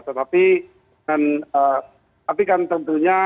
tetapi kan tentunya